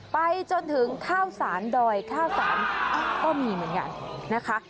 ไปจนถึงข้าวสารดอยข้าวสารก็มีเหมือนกันนะคะ